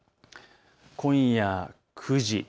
今夜９時。